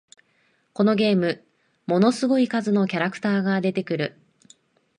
このゲーム、ものすごい数のキャラクターが出てくる